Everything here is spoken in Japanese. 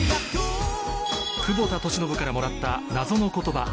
久保田利伸からもらった謎の言葉